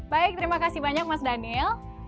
baik terima kasih banyak mas daniel